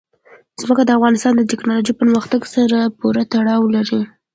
ځمکه د افغانستان د تکنالوژۍ پرمختګ سره پوره تړاو لري.